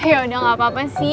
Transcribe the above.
yaudah gapapa sih